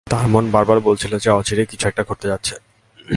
তার মন বারবার বলছিল যে, অচিরেই কিছু একটা ঘটতে যাচ্ছে।